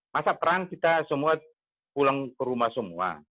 masa perang kita semua pulang ke rumah semua